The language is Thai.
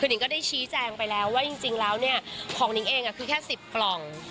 นิงก็ได้ชี้แจงไปแล้วว่าของนิงเองแค่๑๐กล่อง